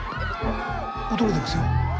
驚いてますよ。